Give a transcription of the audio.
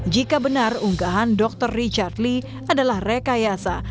jika benar unggahan dr richard lee adalah rekayasa